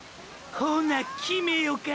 ほな決めよか？